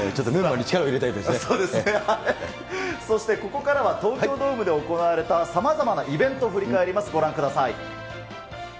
そしてここからは、東京ドームで行われたさまざまなイベントを振り返ります、ご覧ください。